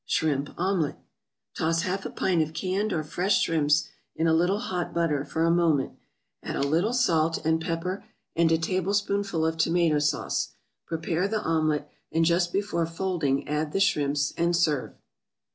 =Shrimp Omelet.= Toss half a pint of canned or fresh shrimps in a little hot butter for a moment; add a little salt and pepper and a tablespoonful of tomato sauce. Prepare the omelet, and just before folding add the shrimps, and serve.